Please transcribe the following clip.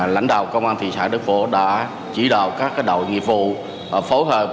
lãnh đạo công an thị xã đức phổ đã chỉ đạo các đội nghiệp vụ phối hợp